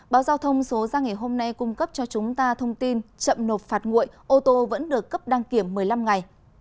báo giao thông số ra ngày hôm nay cung cấp cho chúng ta thông tin chậm nộp phạt nguội ô tô vẫn được cấp đăng kiểm một mươi năm ngày